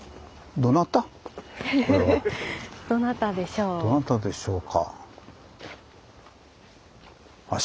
どなたでしょうか。